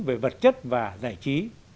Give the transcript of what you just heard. về vật chất và giải trí